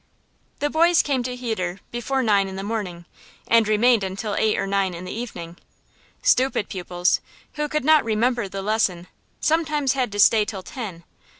The boys came to heder before nine in the morning, and remained until eight or nine in the evening. Stupid pupils, who could not remember the lesson, sometimes had to stay till ten.